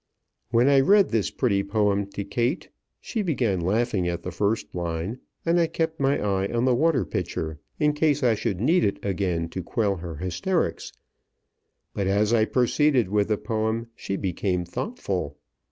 When I read this pretty poem to Kate, she began laughing at the first line, and I kept my eye on the water pitcher, in case I should need it again to quell her hysterics; but, as I proceeded with the poem, she became thoughtful.